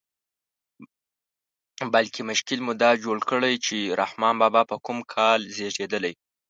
بلکې مشکل مو دا جوړ کړی چې رحمان بابا په کوم کال زېږېدلی.